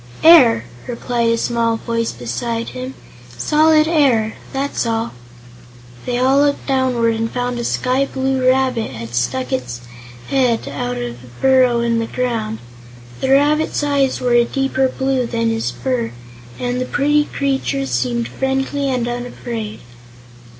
"Air," replied a small voice beside him. "Solid air; that's all." They all looked downward and found a sky blue rabbit had stuck his head out of a burrow in the ground. The rabbit's eyes were a deeper blue than his fur, and the pretty creature seemed friendly and unafraid.